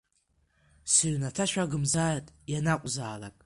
Сыҩнаҭа шәагымзааит ианакәызаалак.